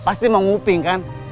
apa ada kaitannya dengan hilangnya sena